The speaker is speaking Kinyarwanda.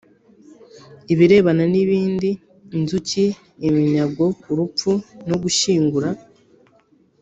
Ibirebana n ibindi inzuki iminyago urupfu no gushyingura